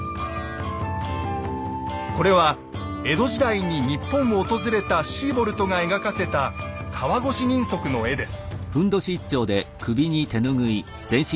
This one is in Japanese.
これは江戸時代に日本を訪れたシーボルトが描かせた川越人足の絵です。